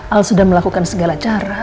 al sudah melakukan segala cara